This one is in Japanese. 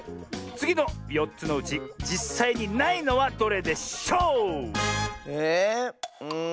つぎの４つのうちじっさいにないのはどれでしょう